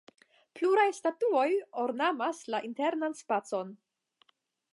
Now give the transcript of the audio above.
Pluraj statuoj ornamas la internan spacon.